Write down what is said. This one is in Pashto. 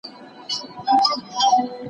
که وخت وي!. جواب ورکوم!.